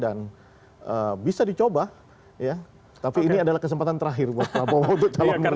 dan bisa dicoba ya tapi ini adalah kesempatan terakhir buat prabowo untuk calon menurut saya